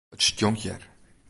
It stjonkt hjir.